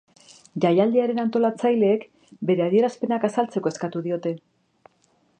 Jaialdiaren antolatzaileek bere adierazpenak azaltzeko eskatu diote.